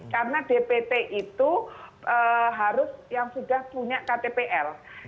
karena dpt itu harus yang sudah punya ktpl